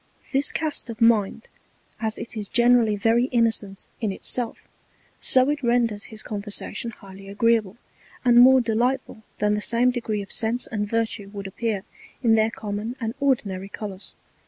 This Cast of Mind, as it is generally very innocent in it self, so it renders his Conversation highly agreeable, and more delightful than the same Degree of Sense and Virtue would appear in their common and ordinary Colours.